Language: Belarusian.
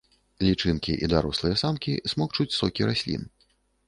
Лічынкі і дарослыя самкі смокчуць сокі раслін.